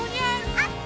あった！